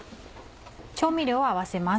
調味料を合わせます。